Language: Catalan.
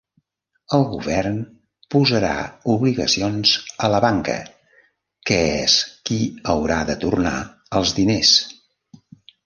El Govern posarà obligacions a la banca, que és qui haurà de tornar els diners.